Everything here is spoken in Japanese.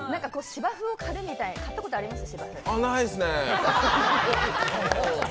芝生を刈るみたいな刈ったことあります？